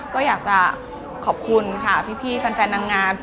ก็อยากจะขอบคุณค่ะพี่แฟนนางงาม